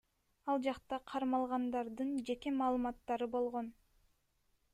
Ал жакта кармалгандардын жеке маалыматтары болгон.